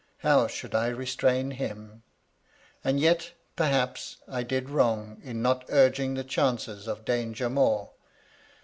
How should I restrain him ? And yet, perhaps, I did wrong in not urging the chances of danger more.